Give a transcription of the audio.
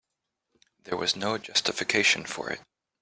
There was no justification for it.